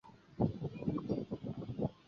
表字稷臣。